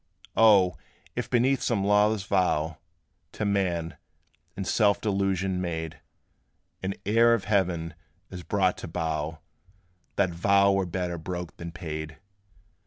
O! if beneath some lawless vow To man, in self delusion made, An heir of heaven is brought to bow, That vow were better broke than paid.